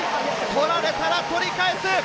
取られたら取り返す！